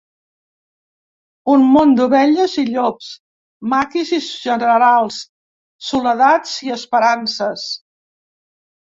Un món d’ovelles i llops, maquis i generals, soledats i esperances.